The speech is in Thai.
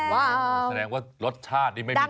ว้าวแสดงว่ารสชาติไม่มีผิดเพี้ยน